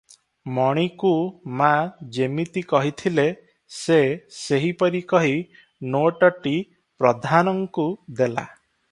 ମଣିକୁ ମା' ଯେମିତି କହିଥିଲେ ସେ ସେହିପରି କହି ନୋଟଟି ପ୍ରାଧାନଙ୍କୁ ଦେଲା ।